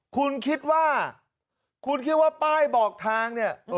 คุณคิดว่าคุณคิดว่าป้ายบอกทางเนี่ย